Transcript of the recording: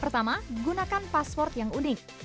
pertama gunakan password yang unik